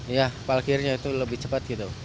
ya parkirnya itu lebih cepat gitu